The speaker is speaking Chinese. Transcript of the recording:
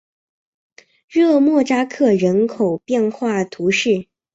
热莫扎克人口变化图示